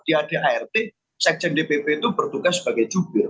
di adart sekjen dpp itu bertugas sebagai jubir